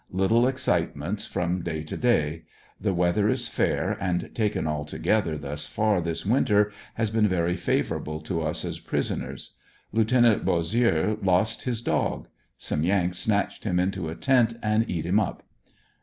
Little excite ments from day to day. The weather is fair, and taken all together thus far this winter has been very favorable to us as prisoners. Lieut. Bossieux lost his dog. Some Yanks snatched him into a tent and eat him up.